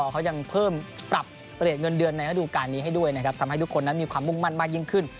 เขายังเพิ่มปรับเปลี่ยนเงินเดือนในระดูการนี้ให้ด้วยนะครับทำให้ทุกคนนั้นมีความมุ่งมั่นมากยิ่งขึ้น